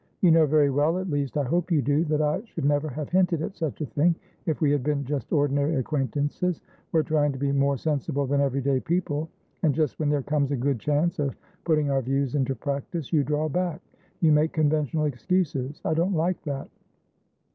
You know very wellat least, I hope you dothat I should never have hinted at such a thing if we had been just ordinary acquaintances. We're trying to be more sensible than everyday people. And just when there comes a good chance of putting our views into practice, you draw back, you make conventional excuses. I don't like that!